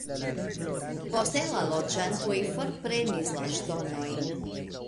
Poste la loĝantoj forprenis la ŝtonojn.